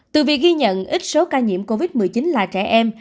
từ việc ghi nhận ít số ca nhiễm covid một mươi chín là trẻ em